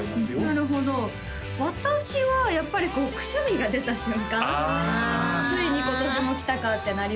なるほど私はやっぱりこうくしゃみが出た瞬間あついに今年も来たかってなりますよね